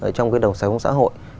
ở trong cái đồng xã hội